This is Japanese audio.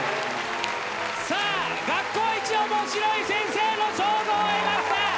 さあ学校一面白い先生の称号を得ました！